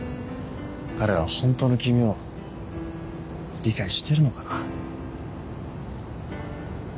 彼らは本当の君を理解してるのかな？